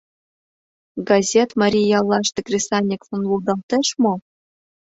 Газет марий яллаште кресаньыклан лудалтеш мо?